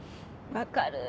分かる。